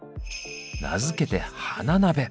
名付けて「花鍋」。